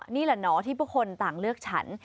นี่แหละเนาะที่ทุกคนต่างเลือกฉัน